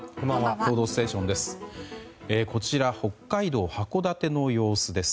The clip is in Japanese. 「報道ステーション」です。